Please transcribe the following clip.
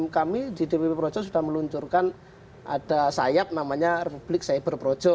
kami di dpp projo sudah meluncurkan ada sayap namanya republik cyber projo